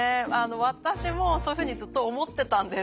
私もそういうふうにずっと思ってたんです。